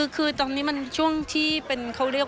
คือตอนนี้มันช่วงที่เป็น